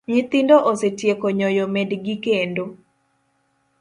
Nyithindo osetieko nyoyo medgi kendo